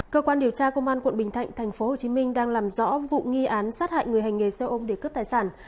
cơ quan điều tra công an quận bình thạnh tp hcm đang làm rõ vụ nghi án sát hại người hành nghề xe ôm để cướp tài sản